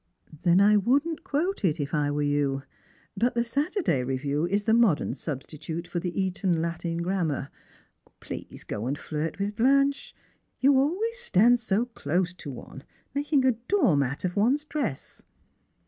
" Then I wouldn't quote it, if I were you. But the Saturday Beview is the modern substitute for the Eton Latin Grammar. Please, go and flirt with Blanche. You always stand so close to one, making a door mat of one's dress